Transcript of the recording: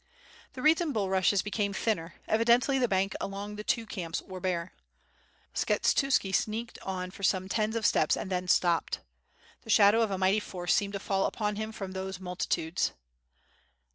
The reeds and bulrushes became thinner; evidently the banks along the two camps were bare. Skshetuski sneaked on for some tens of steps and then stopped. The shadow of a mighty force seemed to fall upon him from those mul titudes.